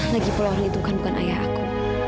lagipula orang itu kan bukan ayah aku